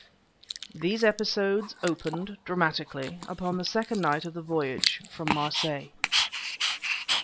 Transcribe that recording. These episodes opened, dramatically, upon the second night of the voyage from Marseilles.